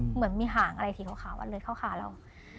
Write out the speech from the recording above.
เหมือนมีห่างอะไรเลื้อเข้าขาเรา